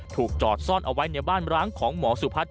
ถูกจอดซ่อนเอาไว้ในบ้านร้างของหมอสุพัฒน